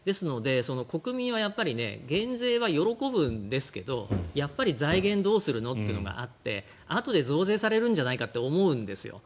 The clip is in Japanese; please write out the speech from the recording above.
国民はやっぱり減税は喜ぶんですけど財源どうするの？というのがあってあとで増税されるんじゃないかって思うんですよ。